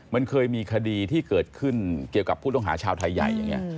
มันเคยมีคดีที่เกิดขึ้นเกี่ยวกับผู้ต้องหาชาวไทยใหญ่อย่างนี้